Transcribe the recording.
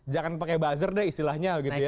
jangan pakai buzzer deh istilahnya gitu ya